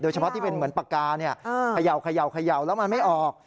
เฉพาะที่เป็นเหมือนปากกาเนี่ยเขย่าแล้วมันไม่ออก